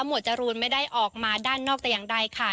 จรูนไม่ได้ออกมาด้านนอกแต่อย่างใดค่ะ